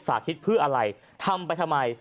สาธิตเพื่ออะไรทำไปทำไม